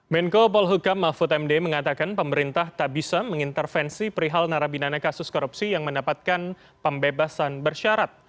menko polhukam mahfud md mengatakan pemerintah tak bisa mengintervensi perihal narapidana kasus korupsi yang mendapatkan pembebasan bersyarat